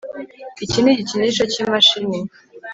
Iki ni igikinisho cyimashini